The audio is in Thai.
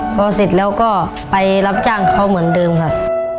พอเสร็จแล้วก็ไปรับจ้างเขาเหมือนเดิมค่ะ